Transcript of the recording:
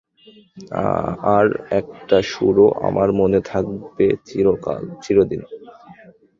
তার একটা সুরও আমার মনে থাকবে চিরদিন।